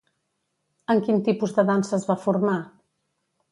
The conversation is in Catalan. En quin tipus de dansa es va formar?